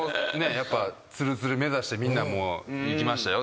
ツルツル目指してみんな行きましたよ